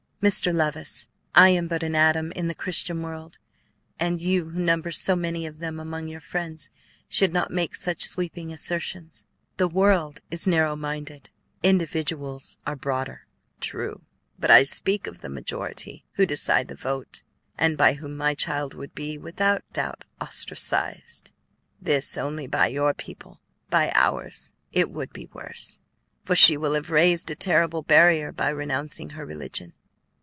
"Mr. Levice, I am but an atom in the Christian world, and you who number so many of them among your friends should not make such sweeping assertions. The world is narrow minded; individuals are broader." "True; but I speak of the majority, who decide the vote, and by whom my child would be, without doubt, ostracized. This only by your people; by ours it would be worse, for she will have raised a terrible barrier by renouncing her religion."